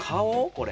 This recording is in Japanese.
これ。